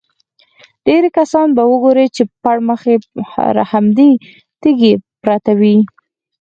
ډېری کسان به ګورې چې پړمخې پر همدې تیږې پراته وي.